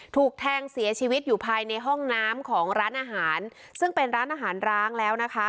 ถูกแทงเสียชีวิตอยู่ภายในห้องน้ำของร้านอาหารซึ่งเป็นร้านอาหารร้างแล้วนะคะ